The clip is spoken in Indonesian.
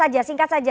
ya singkat saja